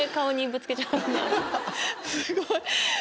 すごい！